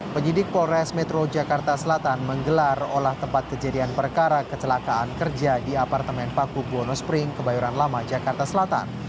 penyidik polres metro jakarta selatan menggelar olah tempat kejadian perkara kecelakaan kerja di apartemen paku buwono spring kebayoran lama jakarta selatan